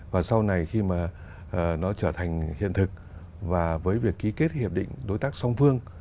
và sau này khi mà nó trở thành hiện thực và với việc ký kết hiệp định đối tác song phương